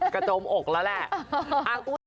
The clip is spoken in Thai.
กระจมอกแล้วแหละ